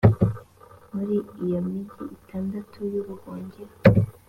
muri iyo migi itandatu y’ubuhungiro,